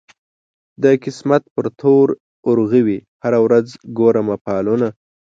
د قسمت پر تور اورغوي هره ورځ ګورم فالونه